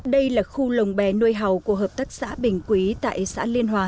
đây là khu lồng bè nuôi hầu của hợp tác xã bình quý tại xã liên hòa